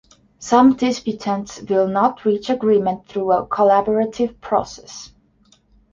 Some disputants will not reach agreement through a collaborative process.